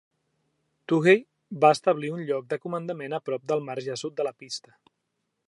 Toohey va establir un lloc de comandament a prop del marge sud de la pista.